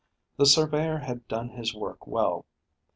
The surveyor had done his work well.